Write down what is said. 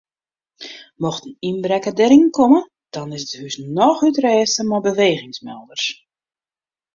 Mocht in ynbrekker deryn komme dan is it hús noch útrêste mei bewegingsmelders.